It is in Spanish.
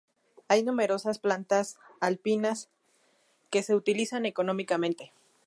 Hay numerosas plantas alpinas que se utilizan económicamente.